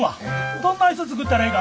どんな椅子作ったらええか